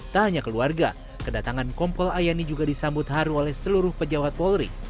tak hanya keluarga kedatangan kompol ayani juga disambut haru oleh seluruh pejabat polri